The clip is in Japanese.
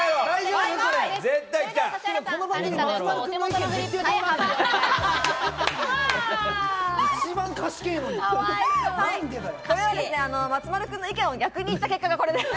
これは松丸さんの意見を逆にいった結果がこれです。